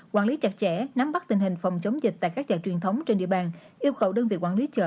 quản lý chặt chẽ nắm bắt tình hình phòng chống dịch tại các chợ truyền thống trên địa bàn yêu cầu đơn vị quản lý chợ